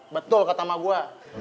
betul kata mak gue